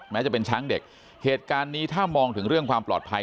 แม้จะเป็นช้างเด็กเหตุการณ์นี้ถ้ามองถึงเรื่องความปลอดภัย